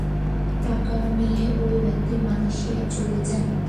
টাকা নিয়ে ওই ব্যক্তি মালয়েশিয়ায় চলে যান।